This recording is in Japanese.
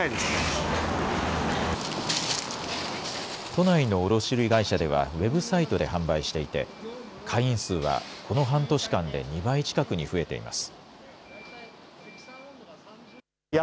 都内の卸売り会社では、ウェブサイトで販売していて、会員数はこの半年間で２倍近くに増えています。